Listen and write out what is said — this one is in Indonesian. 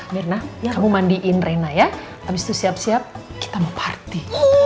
myrna kamu mandiin rena ya abis itu siap siap kita mau party